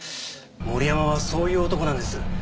森山はそういう男なんです。